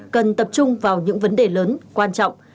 cần tập trung vào những vấn đề lớn quan trọng